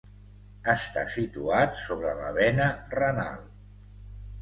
Està situat sobre la vena renal.